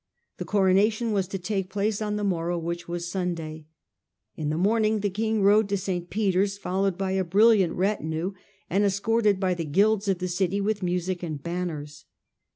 The coronation was to take place on the Henry V. in ^o^row, which was Sunday. In the morning Borne, nil the king rode to St. Peter's, followed by a brilliant retinue, and escorted by the guild's of the city with music and banners.